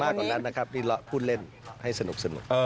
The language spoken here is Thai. กว่านั้นนะครับนี่เราพูดเล่นให้สนุก